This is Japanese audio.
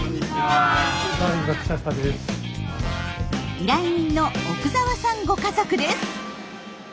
依頼人の奥澤さんご家族です。